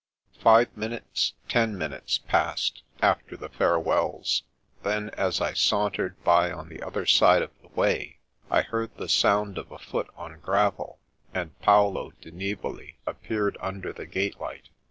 Five minutes, ten minutes passed, after the fare wells. Then, as I sauntered by on the other side of the way, I heard the sound of a foot on gravel, and Paolo di Nivoli appeared under the gate light.